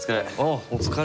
お疲れ。